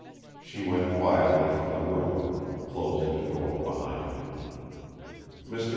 She went quietly from the room, closing the door behind her. Mr.